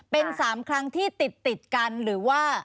เป็น๓ครั้งที่ติดกันหรือว่า